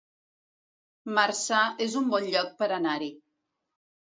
Marçà es un bon lloc per anar-hi